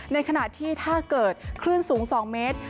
ในขณะที่ถ้าเกิดคลื่นสูง๒เมตร